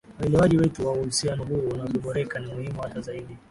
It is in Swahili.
uelewaji wetu wa uhusiano huu unavyoboreka ni muhimu hata zaidi